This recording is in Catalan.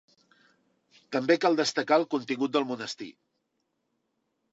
També cal destacar el contingut del monestir.